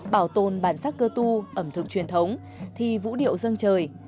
bảo tồn bản sắc cơ tu ẩm thực truyền thống thi vũ điệu dân trời